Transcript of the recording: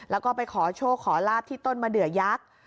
แล้วก็ไปขอโชคขอลาบที่ต้นมะเดือยักษ์